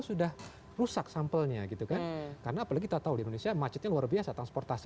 sudah rusak sampelnya gitu kan karena apalagi kita tahu di indonesia macetnya luar biasa transportasi